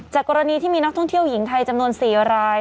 กรณีที่มีนักท่องเที่ยวหญิงไทยจำนวน๔ราย